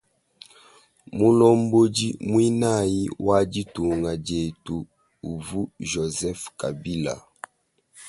Mulombodi muinayi wa ditunga dietu uvu joseph kabila.